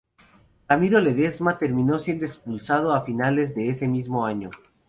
Ramiro Ledesma terminó siendo expulsado a finales de ese mismo año.